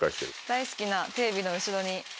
大好きなテレビの後ろに。